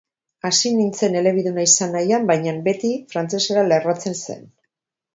Hasi nintzen elebiduna izan nahian, bainan beti frantsesera lerratzen zen.